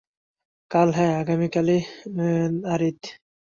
কাল হ্যাঁ, আগামীকালই যারীদ!